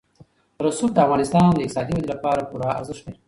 رسوب د افغانستان د اقتصادي ودې لپاره پوره ارزښت لري.